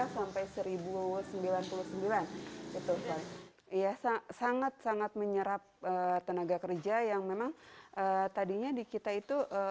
sampai seribu sembilan puluh sembilan itu ya sangat sangat menyerap tenaga kerja yang memang tadinya di kita itu